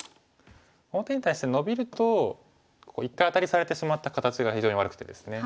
この手に対してノビると一回アタリされてしまった形が非常に悪くてですね。